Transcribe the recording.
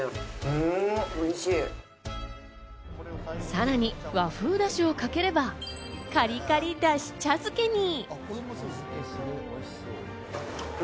さらに和風だしをかければカリカリだし茶漬けに。